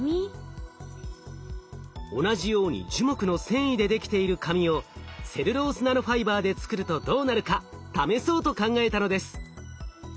同じように樹木の繊維でできている紙をセルロースナノファイバーで作るとどうなるか試そうと考えたのです。